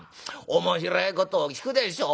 面白いことを聞くでしょう？